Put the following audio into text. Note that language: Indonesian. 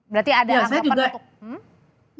berarti ada anggapan untuk